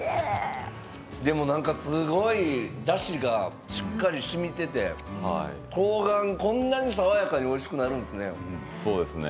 でも、なんかすごいだしが、しっかりしみていてとうがん、こんなに爽やかにおいしくなるんですね。